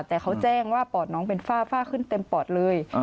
แต่เขาแจ้งว่าปอดน้องเป็นฝ้าขึ้นเต็มปอดเลย